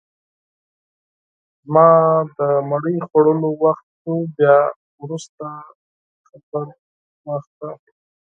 زما د ډوډۍ خوړلو وخت سو بیا وروسته خبر اخله!